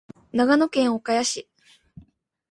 長野県岡谷市